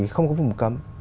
không có vùng cấm